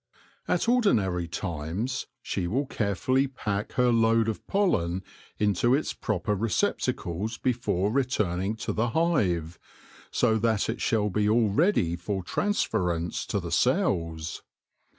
At ordinary times she will carefully pack her load of pollen into its proper receptacles before returning to the hive, so that it shall be all ready for transference to the cells.